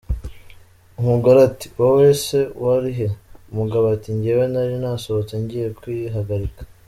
Umugore ati “wowe se wari he?” Umugabo ati “njyewe nari nasohotse ngiye kwihagarika”.